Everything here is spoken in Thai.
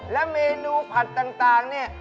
และเมนูผัดต่างเนี่ย